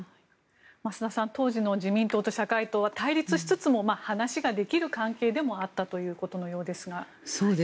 増田さん当時の自民党と社会党は対立しながらも話ができる関係でもあったということのようですが。